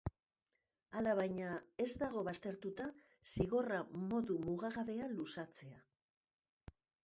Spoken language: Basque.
Alabaina, ez dago baztertuta zigorra modu mugagabea luzatzea.